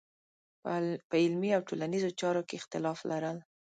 په علمي او ټولنیزو چارو کې اختلاف لرل.